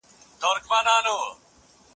خو یو څوک به دي پر څنګ اخلي ګامونه